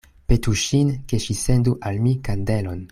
Petu ŝin, ke ŝi sendu al mi kandelon.